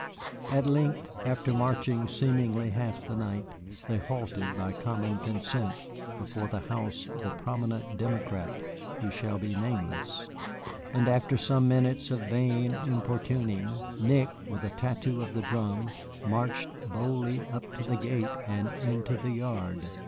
At length, after marching seemingly half the night, they halted by common consent before the house of a prominent Democrat who shall be nameless, and, after some minutes of vain importuning, Nick, with a tattoo on the drum, marched boldly up to the gate and into the yard.